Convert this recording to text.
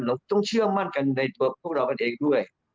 เราต้องเชื่อมั่นกันในตัวพวกเรากันเองด้วย